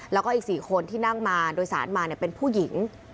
แล้วก็อีก๔คนที่นั่งมาโดยสารมาเป็นผู้หญิง